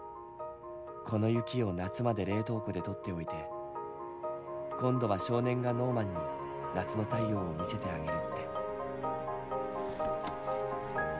この雪を夏まで冷凍庫で取っておいて今度は少年がノーマンに夏の太陽を見せてあげるって。